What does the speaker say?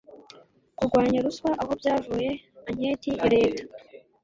kurwanya ruswa aho byavuye anketi ya reta